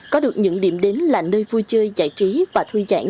có được những điểm đến là nơi vui chơi giải trí và thư giãn